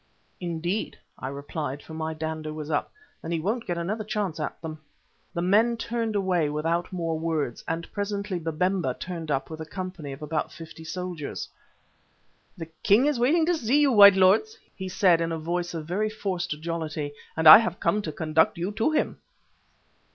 "Indeed," I replied, for my dander was up. "Then he won't get another chance at them." The men turned away without more words, and presently Babemba turned up with a company of about fifty soldiers. "The king is waiting to see you, white lords," he said in a voice of very forced jollity, "and I have come to conduct you to him."